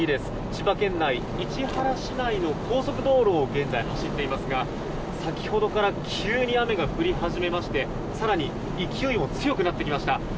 千葉県内市原市内の高速道路を現在走っていますが、先ほどから急に雨が降り初めまして更に勢いも強くなってきました。